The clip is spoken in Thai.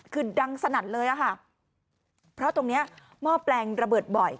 คือดังสนัดเลยอะค่ะเพราะตรงเนี้ยหม้อแปลงระเบิดบ่อย